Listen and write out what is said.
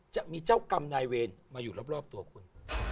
จะมีเจ้ากรรมนายเวรมาอยู่รอบตัวคุณ